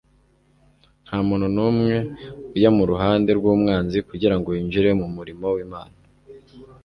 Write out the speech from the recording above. Nta muntu n'umwe uya mu ruhande rw'umwanzi kugira ngo yinjire mu murimo w'Imana,